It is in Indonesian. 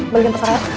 balikin tas rara